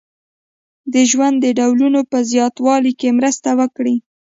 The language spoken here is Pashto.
د ژوند د ډولونو په زیاتوالي کې مرسته وکړي.